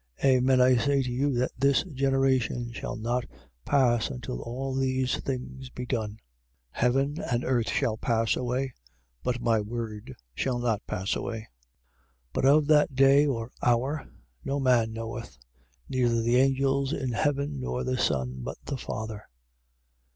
13:30. Amen, I say to you that this generation shall not pass until all these things be done. 13:31. Heaven and earth shall pass away: but my word shall not pass away. 13:32. But of that day or hour no man knoweth, neither the angels in heaven, nor the Son, but the Father.